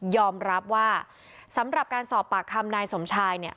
อมรับว่าสำหรับการสอบปากคำนายสมชายเนี่ย